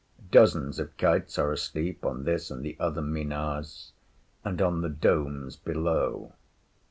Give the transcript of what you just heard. Dozens of kites are asleep on this and the other Minars, and on the domes below.